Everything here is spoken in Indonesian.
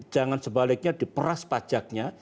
jangan sebaliknya diperas pajaknya